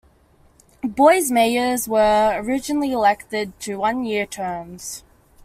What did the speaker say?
Boise mayors were originally elected to one-year terms.